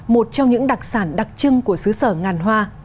một trong những đặc sản đặc trưng của xứ sở ngàn hoa